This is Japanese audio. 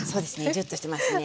ジュッとしてますね。